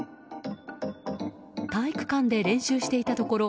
体育館で練習していたところ